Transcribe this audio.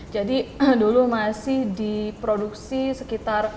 jadi dulu masih diproduksi sekitar